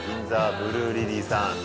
ブルーリリーさん